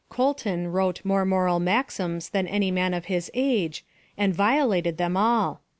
Colton wrote more moral maxims than any man of his afije, and violated them all.